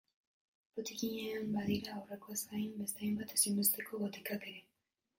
Botikinean badira, aurrekoez gain, beste hainbat ezinbesteko botika ere.